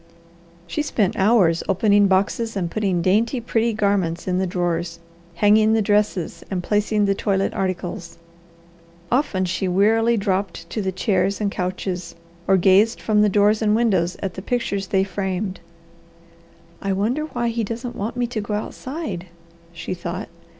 She spent hours opening boxes and putting dainty, pretty garments in the drawers, hanging the dresses, and placing the toilet articles. Often she wearily dropped to the chairs and couches, or gazed from door and windows at the pictures they framed. "I wonder why he doesn't want me to go outside," she thought.